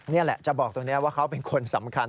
นี่แหละจะบอกตรงนี้ว่าเขาเป็นคนสำคัญ